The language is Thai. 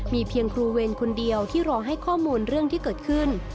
มีเพียงครูเวรคนเดียวที่รอให้ข้อมูลเรื่องที่เกิดขึ้น